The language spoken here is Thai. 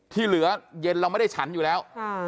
ที่เหลือเย็นเราไม่ได้ฉันอยู่แล้ว